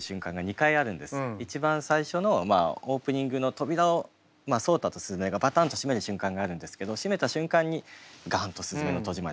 一番最初のオープニングの扉を草太と鈴芽がバタンと閉める瞬間があるんですけど閉めた瞬間にガンと「すずめの戸締まり」が出る。